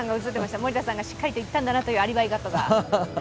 森田さんがしっかり行ったんだなというアリバイが。